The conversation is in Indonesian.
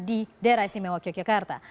di daerah istimewa yogyakarta